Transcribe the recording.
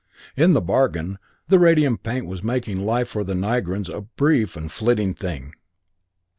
In the bargain, the radium paint was making life for the Nigrans a brief and flitting thing!